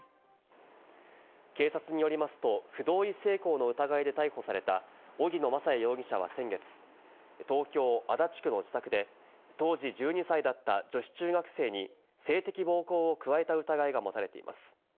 警察によりますと、不同意性交の疑いで逮捕された荻野真也容疑者は先月、東京・足立区の自宅で、当時１２歳だった女子中学生に性的暴行を加えた疑いが持たれています。